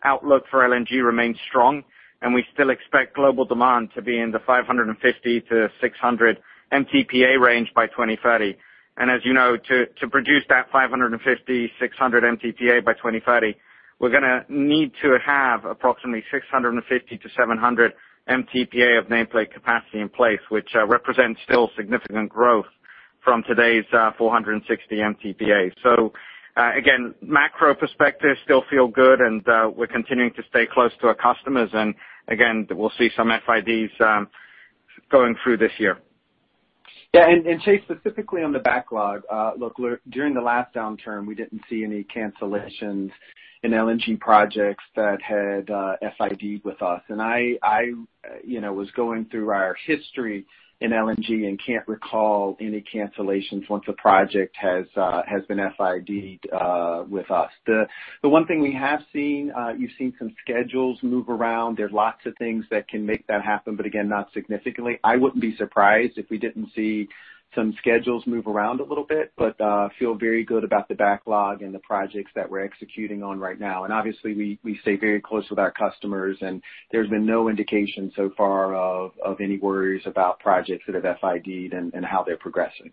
outlook for LNG remains strong, and we still expect global demand to be in the 550-600 MTPA range by 2030. As you know, to produce that 550, 600 MTPA by 2030. We're going to need to have approximately 650-700 MTPA of nameplate capacity in place, which represents still significant growth from today's 460 MTPA. Again, macro perspective still feel good, and we're continuing to stay close to our customers. Again, we'll see some FIDs going through this year. Yeah. Chase, specifically on the backlog. Look, during the last downturn, we didn't see any cancellations in LNG projects that had FID with us. I was going through our history in LNG and can't recall any cancellations once a project has been FID'd with us. The one thing we have seen, you've seen some schedules move around. There's lots of things that can make that happen, but again, not significantly. I wouldn't be surprised if we didn't see some schedules move around a little bit, but feel very good about the backlog and the projects that we're executing on right now. Obviously, we stay very close with our customers, and there's been no indication so far of any worries about projects that have FID'd and how they're progressing.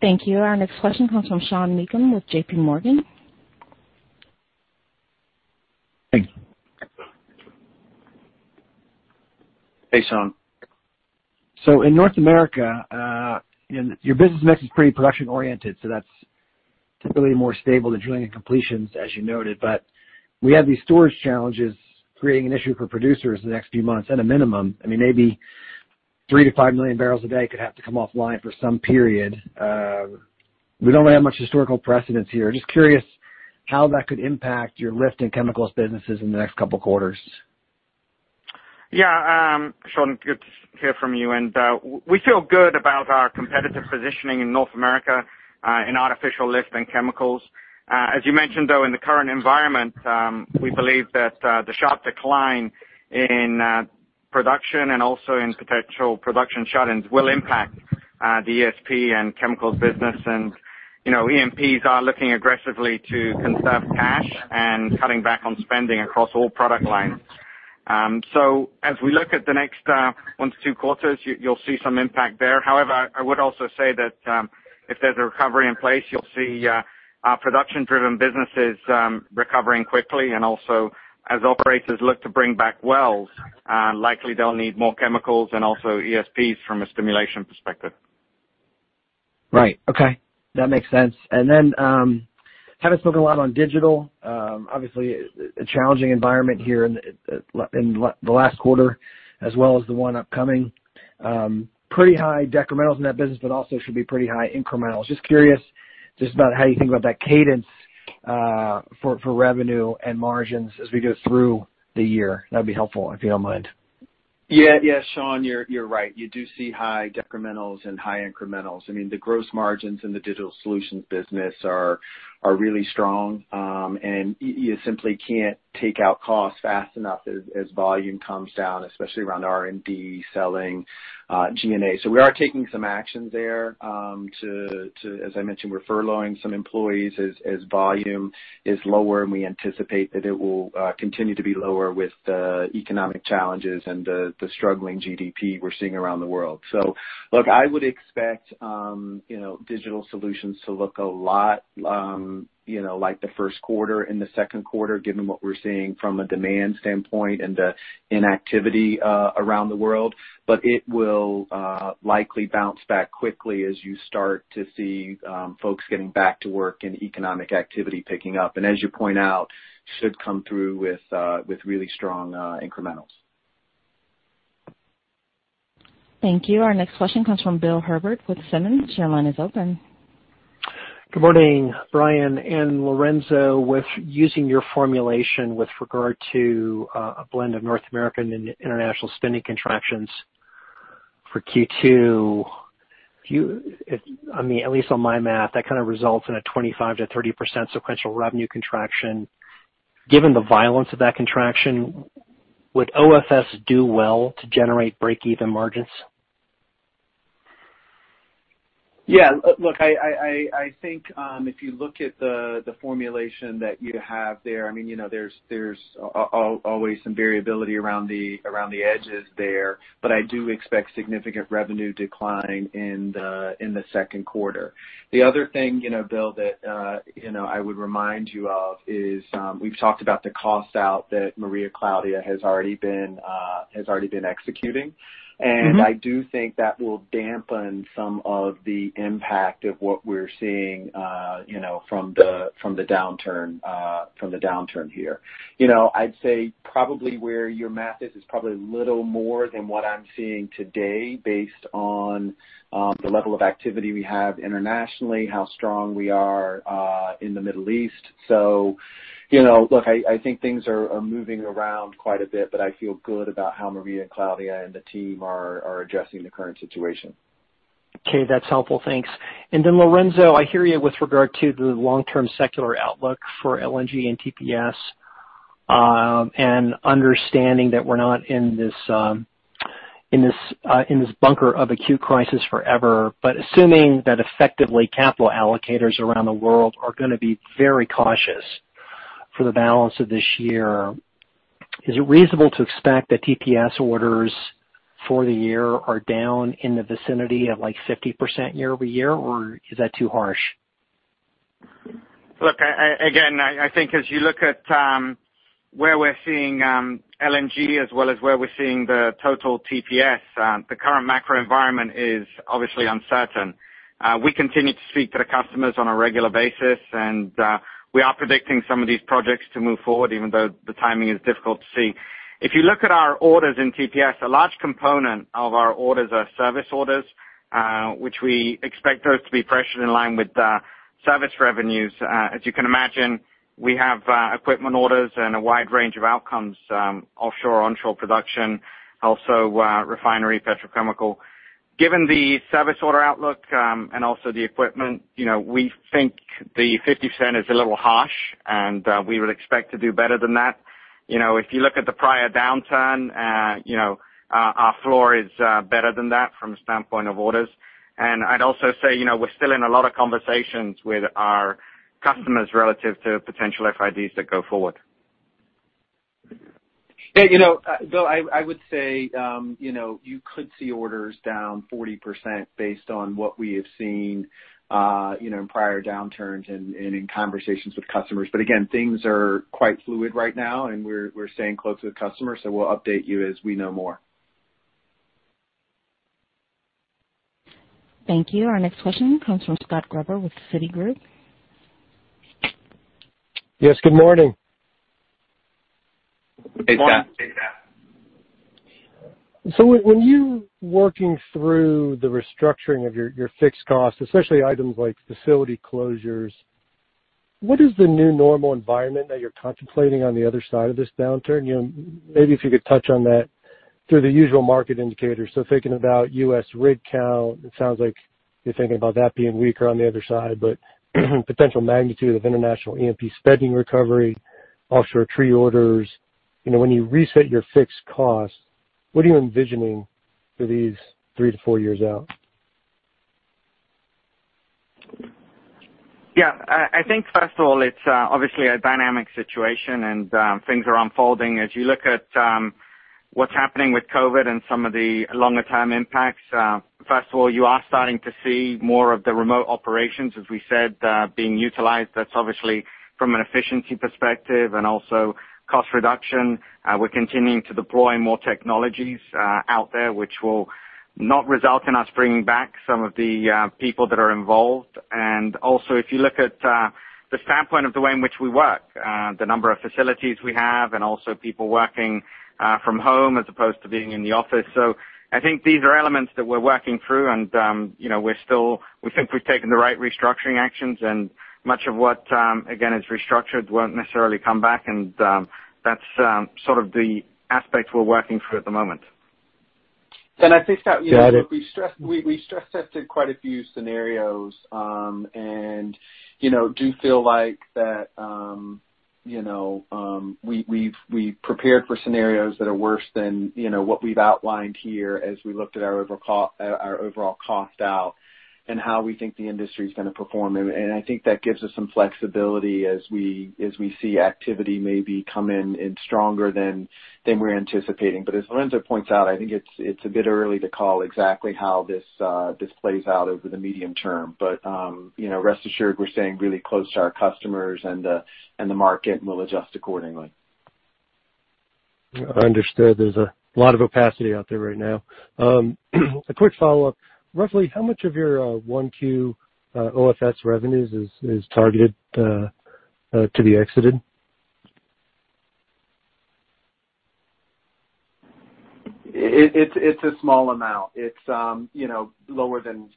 Thank you. Our next question comes from Sean Meakin with J.P. Morgan. Hey. Hey, Sean. In North America, your business mix is pretty production-oriented, so that's typically more stable than drilling and completions, as you noted. We have these storage challenges creating an issue for producers in the next few months at a minimum. I mean, maybe 3 MMbpd-5 MMbpd could have to come offline for some period. We don't have much historical precedence here. Just curious how that could impact your lift and chemicals businesses in the next couple of quarters. Sean, good to hear from you. We feel good about our competitive positioning in North America in artificial lift and chemicals. As you mentioned, though, in the current environment, we believe that the sharp decline in production and also in potential production shut-ins will impact the ESP and chemicals business. E&Ps are looking aggressively to conserve cash and cutting back on spending across all product lines. As we look at the next one to two quarters, you'll see some impact there. However, I would also say that if there's a recovery in place, you'll see our production-driven businesses recovering quickly. Also, as operators look to bring back wells, likely they'll need more chemicals and also ESPs from a stimulation perspective. Right. Okay. That makes sense. Haven't spoken a lot on digital. Obviously, a challenging environment here in the last quarter as well as the one upcoming. Pretty high decrementals in that business, but also should be pretty high incrementals. Just curious about how you think about that cadence for revenue and margins as we go through the year. That'd be helpful, if you don't mind. Yeah. Sean, you're right. You do see high decrementals and high incrementals. I mean, the gross margins in the Digital Solutions business are really strong. You simply can't take out costs fast enough as volume comes down, especially around R&D, selling, G&A. We are taking some actions there as I mentioned, we're furloughing some employees as volume is lower, and we anticipate that it will continue to be lower with the economic challenges and the struggling GDP we're seeing around the world. It will likely bounce back quickly as you start to see folks getting back to work and economic activity picking up. As you point out, should come through with really strong incrementals. Thank you. Our next question comes from Bill Herbert with Simmons. Your line is open. Good morning, Brian and Lorenzo. With using your formulation with regard to a blend of North American and international spending contractions for Q2, at least on my math, that kind of results in a 25%-30% sequential revenue contraction. Given the violence of that contraction, would OFS do well to generate breakeven margins? Yeah. Look, I think if you look at the formulation that you have there is always some variability around the edges there, but I do expect significant revenue decline in the second quarter. The other thing, Bill, that I would remind you of is, we have talked about the cost out that Maria Claudia has already been executing. I do think that will dampen some of the impact of what we're seeing from the downturn here. I'd say probably where your math is probably a little more than what I'm seeing today based on the level of activity we have internationally, how strong we are in the Middle East. Look, I think things are moving around quite a bit, but I feel good about how Maria Claudia and the team are addressing the current situation. Okay. That's helpful. Thanks. Then Lorenzo, I hear you with regard to the long-term secular outlook for LNG and TPS, and understanding that we're not in this bunker of acute crisis forever. Assuming that effectively capital allocators around the world are going to be very cautious for the balance of this year. Is it reasonable to expect that TPS orders for the year are down in the vicinity of 50% year-over-year, or is that too harsh? Look, again, I think as you look at where we're seeing LNG as well as where we're seeing the total TPS, the current macro environment is obviously uncertain. We continue to speak to the customers on a regular basis, and we are predicting some of these projects to move forward, even though the timing is difficult to see. If you look at our orders in TPS, a large component of our orders are service orders, which we expect those to be pressured in line with service revenues. As you can imagine, we have equipment orders and a wide range of outcomes, offshore, onshore production, also refinery petrochemical. Given the service order outlook, and also the equipment, we think the 50% is a little harsh, and we would expect to do better than that. If you look at the prior downturn, our floor is better than that from a standpoint of orders. I'd also say, we're still in a lot of conversations with our customers relative to potential FIDs that go forward. Bill, I would say you could see orders down 40% based on what we have seen in prior downturns and in conversations with customers. Again, things are quite fluid right now, and we're staying close to the customer, so we'll update you as we know more. Thank you. Our next question comes from Scott Gruber with Citigroup. Yes, good morning. Hey, Scott. When you working through the restructuring of your fixed costs, especially items like facility closures, what is the new normal environment that you're contemplating on the other side of this downturn? Maybe if you could touch on that through the usual market indicators. Thinking about U.S. rig count, it sounds like you're thinking about that being weaker on the other side, but potential magnitude of international E&P spending recovery, subsea tree orders. When you reset your fixed costs, what are you envisioning for these three to four years out? Yeah. I think first of all, it's obviously a dynamic situation, and things are unfolding. As you look at what's happening with COVID-19 and some of the longer-term impacts, first of all, you are starting to see more of the remote operations, as we said, being utilized. That's obviously from an efficiency perspective and also cost reduction. We're continuing to deploy more technologies out there, which will not result in us bringing back some of the people that are involved. Also, if you look at the standpoint of the way in which we work, the number of facilities we have and also people working from home as opposed to being in the office. I think these are elements that we're working through, and we think we've taken the right restructuring actions. Much of what, again, is restructured won't necessarily come back, and that's sort of the aspect we're working through at the moment. And I think that- Got it. We stress-tested quite a few scenarios, and do feel like that we prepared for scenarios that are worse than what we've outlined here as we looked at our overall cost out and how we think the industry's going to perform. I think that gives us some flexibility as we see activity maybe come in stronger than we're anticipating. As Lorenzo points out, I think it's a bit early to call exactly how this plays out over the medium term. Rest assured, we're staying really close to our customers and the market, and we'll adjust accordingly. Understood. There's a lot of opacity out there right now. A quick follow-up. Roughly how much of your 1Q OFS revenues is targeted to be exited? It's a small amount. It's lower than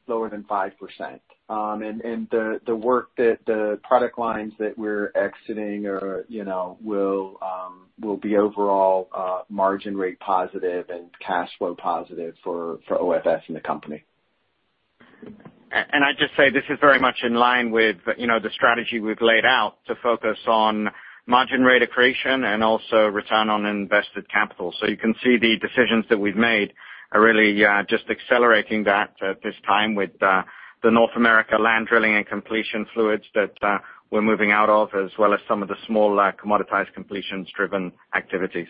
5%. The work that the product lines that we're exiting will be overall margin rate positive and cash flow positive for OFS and the company. I'd just say this is very much in line with the strategy we've laid out to focus on margin rate accretion and also return on invested capital. You can see the decisions that we've made are really just accelerating that at this time with the North America land drilling and completion fluids that we're moving out of, as well as some of the small commoditized completions-driven activities.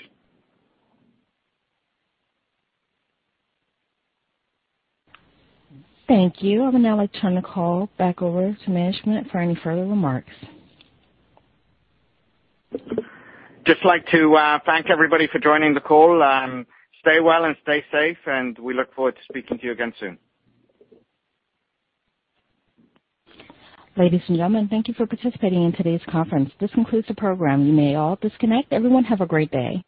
Thank you. I would now like to turn the call back over to management for any further remarks. Just like to thank everybody for joining the call. Stay well and stay safe, and we look forward to speaking to you again soon. Ladies and gentlemen, thank you for participating in today's conference. This concludes the program. You may all disconnect. Everyone have a great day.